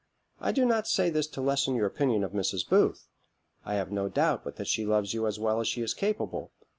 I do not say this to lessen your opinion of Mrs. Booth. I have no doubt but that she loves you as well as she is capable.